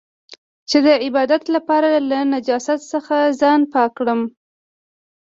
چې د عبادت لپاره له نجاست څخه ځان پاک کړم.